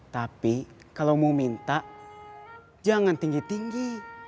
tapi kalau mau minta jangan tinggi tinggi